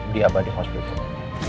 di abadi hospital